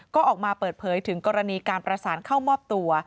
ก็ออกมาเปิดเผยถึงกรณีการประสานเข้ามอบตัว